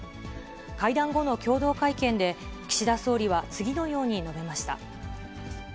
会談後の共同会見で、岸田総理は次のように述べました。